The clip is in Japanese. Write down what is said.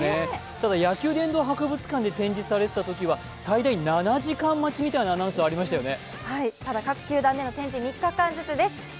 ただ野球殿堂博物館で展示されていたときは、最大７時間待ちみたいなアナウンスがありましたよね。